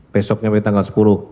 besoknya sampai tanggal sepuluh